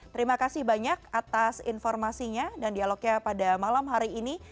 terima kasih banyak atas informasinya dan dialognya pada malam hari ini